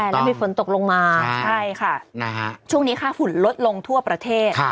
แล้วมีฝนตกลงมาใช่ค่ะช่วงนี้ค่าฝุ่นลดลงทั่วประเทศ